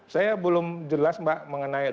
saya belum jelas mbak mengenai satgas ini